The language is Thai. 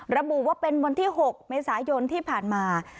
ระบุว่าเป็นวันที่๖เมษายนที่ผ่านมา